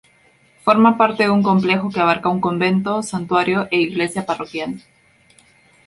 Forma parte de un complejo que abarca un convento, santuario e iglesia parroquial.